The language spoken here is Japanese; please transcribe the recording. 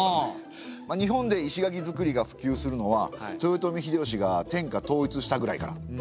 日本で石垣づくりがふきゅうするのは豊臣秀吉が天下統一したぐらいから。